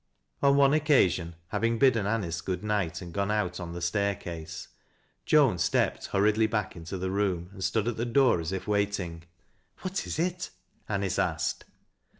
On one occasion, having bidden Anice good night and gone out on the staircase, Joan stepped hurriedly back into the room and stood at the door as if waiting. " What is it ?" Anice asked.